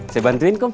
saya bantuin kum